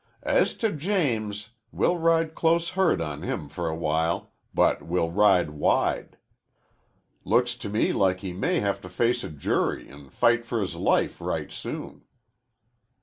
"As to James, we'll ride close herd on him for a while, but we'll ride wide. Looks to me like he may have to face a jury an' fight for his life right soon."